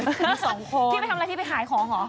ที่ไปทำอะไรที่ไปขายของเหรอ